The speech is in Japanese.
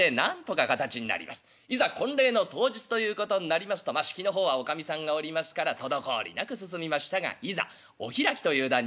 いざ婚礼の当日ということになりますとまあ式の方はおかみさんがおりますから滞りなく進みましたがいざお開きという段になりまして。